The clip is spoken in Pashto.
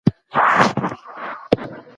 تېر کال په هېواد کې د پوهې کچه لوړه سوه.